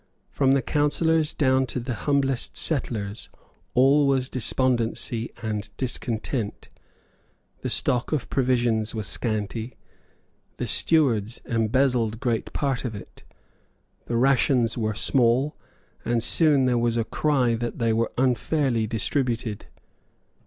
From the councillors down to the humblest settlers all was despondency and discontent. The stock of provisions was scanty. The stewards embezzled great part of it. The rations were small; and soon there was a cry that they were unfairly distributed.